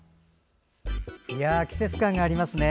季節感がありますね。